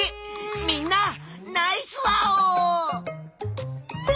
みんなナイスワオ！